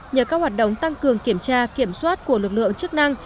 nhờ các hoạt động tăng cường kiểm tra kiểm soát của lực lượng chức năng